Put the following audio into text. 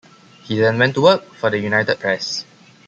He then went to work for the United Press.